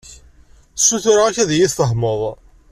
Ssutureɣ-ak ad iyi-tfehmeḍ!